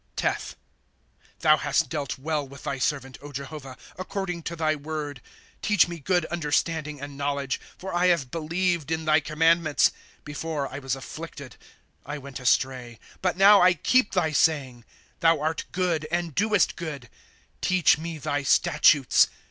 TetJi. «s Thou hast dealt well with thy servant, O Jehovah, according to thy word, ee Teach me good understanding and knowledge ; For I have believed in thy commandments. «'' Before I was afflicted I went astray ; But now I keep thy saying. ^8 Thou art good, and doest good ; Teach me thy statutes.